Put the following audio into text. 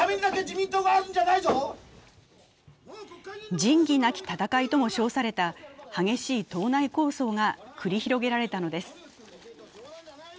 仁義なき戦いとも称された激しい党内抗争が繰り広げられたのです。